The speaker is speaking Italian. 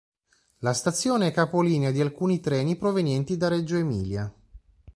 La stazione è capolinea di alcuni treni provenienti da Reggio Emilia.